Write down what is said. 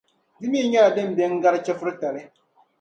Di mi nyɛla din be n-gari chεfuritali.